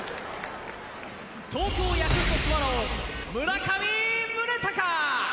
東京ヤクルトスワローズ・村上宗隆。